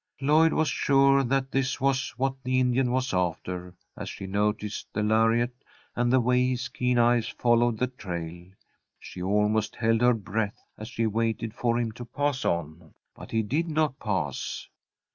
Lloyd was sure that this was what the Indian was after, as she noticed the lariat, and the way his keen eyes followed the trail. She almost held her breath as she waited for him to pass on. But he did not pass.